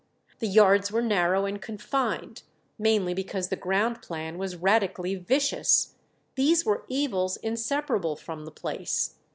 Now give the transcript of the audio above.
The yards were narrow and confined, mainly because the ground plan was radically vicious. These were evils inseparable from the place.